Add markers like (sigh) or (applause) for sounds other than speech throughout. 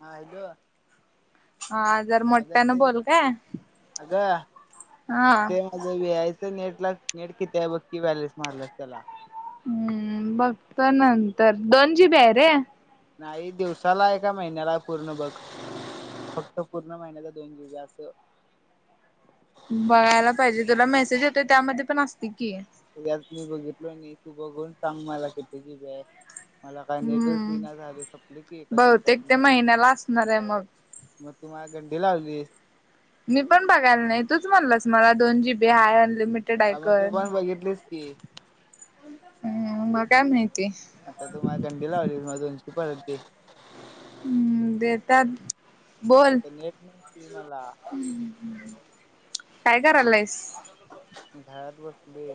हा हॅलो हा जर अगं मोठ्यान ते बोल क्य हा अ वी आयच नेट ला नेट किती आहे बक्की बॅलन्स मारला त्याला हम्म बघतो नंतर दोन जीबी आहे रे. नाही दिवसाला आहे का महिन्याला आहे पूर्ण बघ. फक्त पूर्ण महिन्याचा दोन दिव जास्त बघायला पाहिजे तुला मेसेज येतो त्यामध्ये पण असते की. तर आत मी बघितलो नीट तू बघून सांग मला किती जी बी आहे मला काय नेटच हम्म येईना झालय संपल की एका बहुतेक दिवसात ते नेट महिन्याला असणार आहे मग मग तु मला गंडी लावलीस मी पण बघायला नाही तूच म्हणलास मला दोन जी बी हाय अनलिमि हा मग तू पण बघितलीस की हम्म मला काय माहिती आता तु मला गंडी लावलीस माझं दोनशे रुपये परत दे हम्म देेतात म आता नेट (unintelligible) काय करायलास घरात बसलोय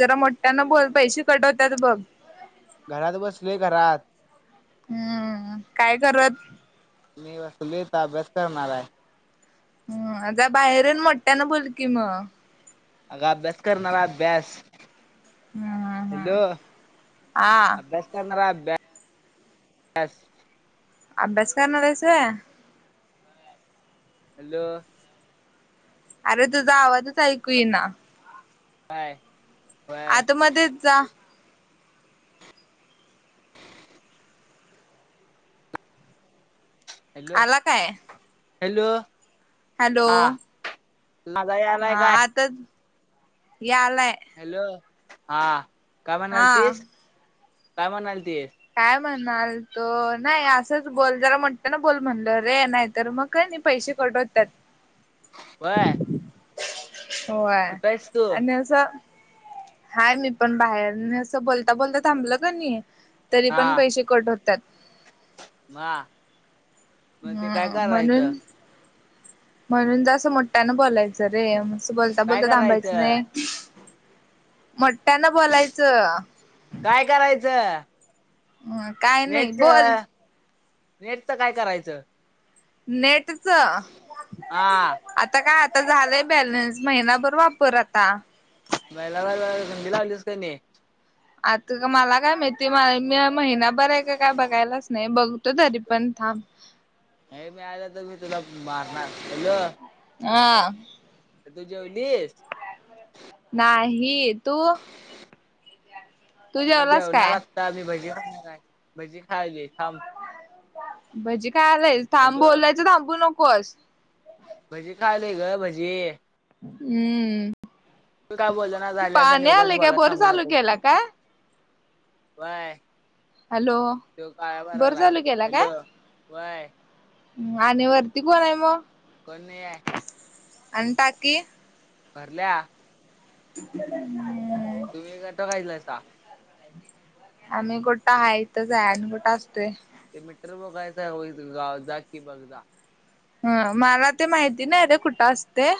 जरा मोठ्यान बोल पैसे कट होत्यात बघ घरात बसलोय घरात हम्म काय करत? मी बसलोय, आत्ता अभ्यास करणार आहे. हम्म आता बाहेर येऊन मोठयानं बोल की मग अगं अभ्यास करणार, अभ्यास हम्म हम्म हॅलो. हम्म हा अभ्यास करणार आहे अभ्यास अभ्यास करणार आहेस व्हय. हॅलो. अरे तुझा आवाजच ऐकू येई ना. काय? होय आत मध्येच जा हॅलो, आला काय हॅलो. हॅलो. हा (unintelligible) हा आता यालाय. हॅलो हा काय हा म्हणालतीस, काय म्हणालती काय म्हणणार द नाही असंच बोल जरा मोठयानं बोल म्हणल रे नाही तर मग काही नाही पैसे कट होत्यात व्हय. व्हय तू आणि असं हाय मी पण बाहेर आणि असं बोलता, बोलता थांबलं का नाही तरी हा पण पैसे कट होत्यात हां. मग ते काय हम्म करायचं? म्हणून म्हणून जरासं मोठ्यानं बोलायचं रे. बोलता, काय बोलता थांबायचं करायचं नाही मोठ्यानं बोलायचं काय करायचं? होय का नेटचं, नेटचं काय करायचं? नेटचं हा आता काय आता झालंय बॅलन्स महिनाभर वापर आता महिनाभर (unintelligible) गुंडी लावलीस तुनी आता मला काय माहिती मी महिनाभर आहे का काय बघायलाच नाही बघतो तरी पण थांब नाही मिळालं, तर मी तुला मारणार. हॅलो आ तु जेवलीस? नाही. तु? मी जेवणार काय आत्ता मी भजी खाणार आहे. भजी खायालोय थांब भजी खायालास. थांब हॅलो बोलायचं थांबू नकोस. भजे खायला ये ग भजे. हम्म. त काय बोली ना झालास, आणि पाणी उगाच आले काय बोलाया बोर थांबू चालू नको. केला काय काय? हॅलो (inaudible) तो काय बोर बोल्याला आहे? चालू केला काय हॅलो व्हंय. आणि वरती कोण आहे मग? कोन नाही आहे. (unintelligible) आणि टाकी? भरल्या. (inaudible) तुम्ही करता (unintelligible) आम्ही कुठं हाय इथंच आहे. कुठं असतोय? ते मीटर बघायचं होई गाव जा कि बघ जा. ह मला ते माहिती नाही रे, कुठं असते?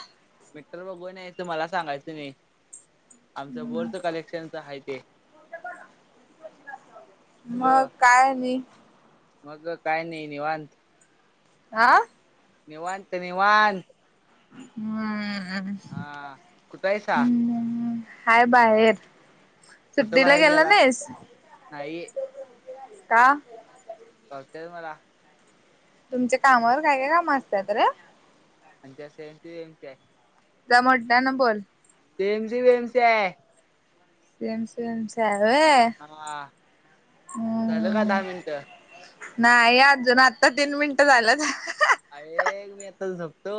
मीटर बघून यायचं मला सांगायचं नाही. आमचं बोरचे कलेक्शनच आहे ते. (inaudible) हॅलो मग काय आणि? मग काय नाही निवांत. आह निवांत निवांत. हम् हा. कुठं आहेसा? हाय बाहेर. कुठं सुट्टीला बाहेर गेला नाहीस? नाही (inaudible) (inaudible) का? कळतंय मला. तुमच्या कामावर काय काय काम असतात रे? आमच्या (unintelligible) जा मोठ्यानं बोल. (unintelligible) आहे. (unintelligible) आहे व्हयं. हा. (inaudible) झालं का दहा मिनट? नाही अजून, आता तीन मिनटं झालं ऐक मी आता झोपतो.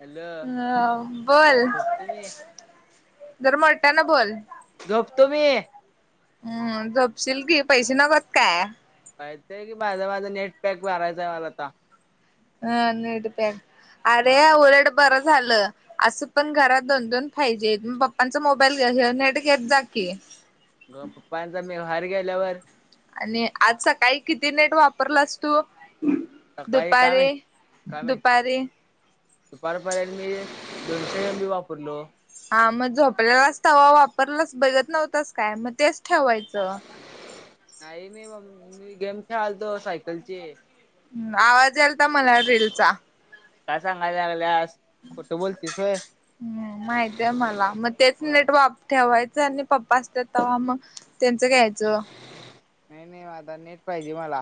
हॅलो बोल. झोपतो मी जर मोठ्यानं बोल. झोपतो मी. हम्म. झोपशील की पैसे नको आहेत काय? पाहिजे की, माझं माझा नेट पॅक भरायचा आहे मला आता. ह नेट पॅक. अरे मला उलट बरं झालं. असं पण घरात दोन दोन फाइ जी आहेत. मग पप्पांचा मोबाईल घ घे नेट घेत जा की. ग पप्पांचा मी बाहेर गेल्यावर. आणि आज सकाळी किती नेट वापरलास तू- सकाळी काय माहित दुपारीे, दुपारीे. दुपार पर्यंत मी, दोनशे एम बी वापरलो. हा मग झोपलेलाच तवा वापरलाच बघत नव्हतास काय मग तेच ठेवायचं नाही मी म मी गेम खेळालतो तो सायकलची. हम् आवाज यायलता मला रीललचा. काय सांगायलाल्यास. हम् माहितय मला मग तेच होय नेट वाप- ठेवायचं, आणि पप्पा असत तेव्हा मग त्यांचं घ्यायचं. नाही नाही आता नेट पाहिजे मला.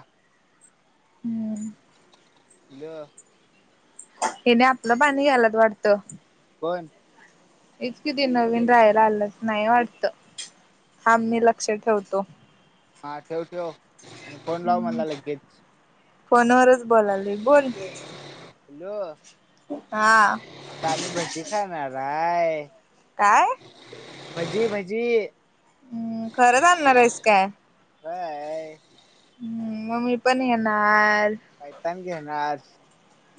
हम्म ल (inaudible) हने आपलं पाणी घ्यालायत वाटतं. कोण? तीच की ती नवीन राहायला आलंचं नाही वाटत हा मी लक्ष ठेवतो. हा ठेव ठेव आणि फोन लाव मला लगेज. फोनवरच बोलाल बोल. हॅलो हा काल भजी खाणारय. काय? भजी भजी. हम्म खरंच आणणार आहेस काय. व्हय मी पण येणार. पायतान घेणार.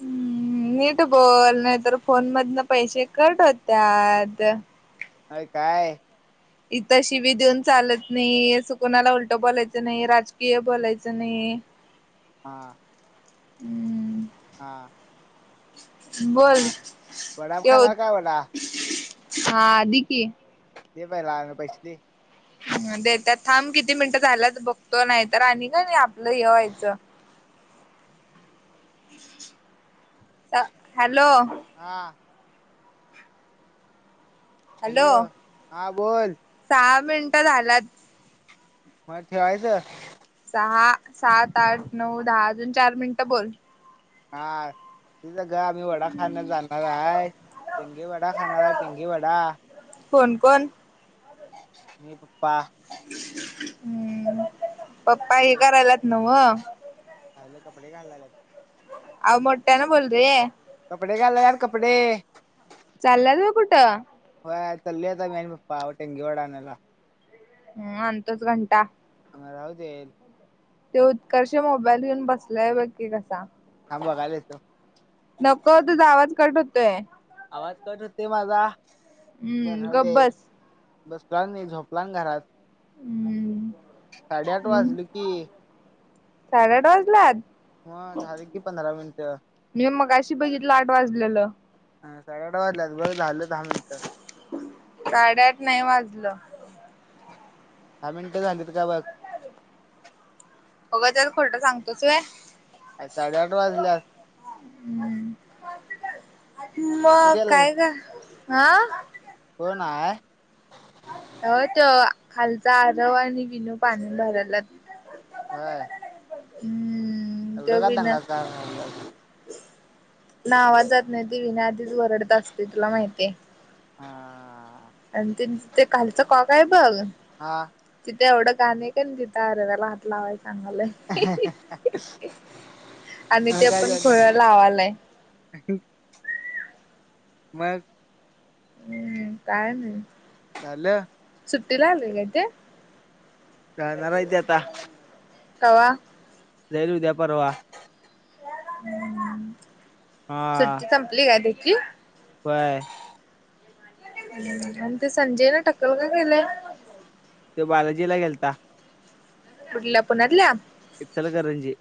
हम् हम् नीट बोल नाही तर फोन मधंन पैसे कट होत्यात. होय काय इथं शिवी देऊन चालत नाही. असं कणाला उलटं बोलायचं नाही राजकीय बोलायचं नाही. हां हम्म हा बोल हा वडाप ठेव. खाणार काय वडा हा दिकी. ते पहिला लागणार पैसे ते- देतो त्यात थांब किती मिनिटं झालाच बघतो नाही तर आणि का नाही आपलं हे व्हायचं. हॅलो! हा हॅलो हा बोल. सहा मिनटं झालात. मग ठेवायचं. सहा, सात, आठ, नऊ, दहा अजून चार मिनिटं बोल. हा ती संग आम्ही वडा खाण जाणार आहे. टिंगे वडा खाणार आहे टिंगे वडा. कोण कोण मी पप्पा हम्म पप्पा हे टेंगे करायल्यात नव्ह झालं कपडे घालाल्यात आव मोठ्या न बोल रे कपडे घालाल्यात कपडे चाल्यात होय कुठं होय चालोय मी आणि पप्पा आवटंगे वडा आणायला हम् आणतोस घंटा मग राहू दे तो उत्कर्ष मोबाईल घेऊन बसलाय बघ कि कसा हा बघायला येतो नको तुझा आवाज कट होतोय आवाज कट होते माझा बर हम्म राहू गप दे बस बसनार नाही झोपणार घरात हम्म साडेआठ वाजल हम्म की साडेआठ वाजल्यात मग झाले की पंधरा मिनिटं मी मगाशी बघितलं आठ वाजलेलं ह साडे अठा वाजल्या बघ झालं दहा मिनिटं साडेआठ नाही वाजले दहा मिनटं झालीत का बघ उगचंच खोटं सांगतोस होय काय साडेआठ वाजल्यात हम्म आणि कुठे मग गेलाय काय गं हा कोण आहे हो तो खालचा आरव आणि विनू पाणी भरायल्यात होय हम्म एवढं का दंगा करायलासा गं हितन आवाज जात नाही विन्या आधीच वरडत असतंय तुला माहितीय हा ह हा आणि ते खालचं कॉक हाय बघ हा तिथे एवढं घाण आहे कणी अरेव्याला हात लावायला सागालंय आणि मग ते काय पण खुळ झालं लावालंय मग हम्म काय नाही झालं सुट्टी लागली की ते जाणार आहे ती आता कवा जाईल उद्या परवा हा सुट्टी संपली काय तिथली होय ते संजयने टकल का केलंय तो बालाजीला गेलता. कुठल्या पुण्यातल्या? इथलकरंजी.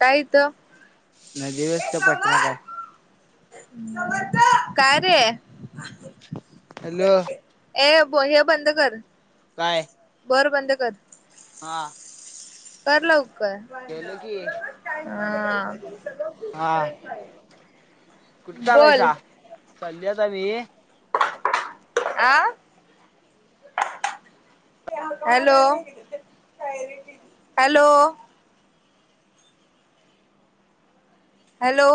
काय इथं नदी (unintelligible) पाठीमागं आहे. (unintelligible) हॅलो. (unintelligible) काय? (unintelligible) हा. कर लवकर. केलो की. (unintelligible) हा. कुठं बोल चालायसा? (unintelligible) आं. Hello, hello. हॅलो.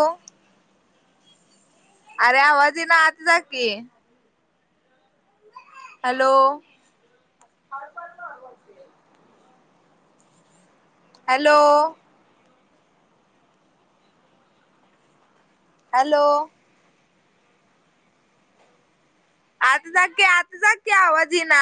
अरे, आवाज येईना आत जा की. हॅलो. हॅलो. हॅलो. आत जा की, आत जा की, आवाज येईना.